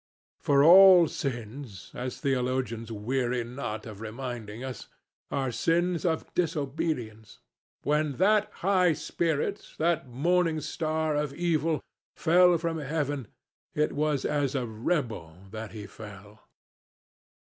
For all sins, as theologians weary not of reminding us, are sins of disobedience. When that high spirit, that morning star of evil, fell from heaven, it was as a rebel that he fell.